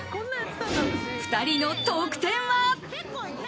２人の得点は？